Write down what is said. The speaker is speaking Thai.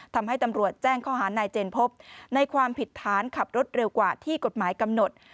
ทำให้ตำรวจแจ้งข้อหานายเจนพบในความผิดฐานขับรถเร็วกว่าที่กฎหมายกำหนด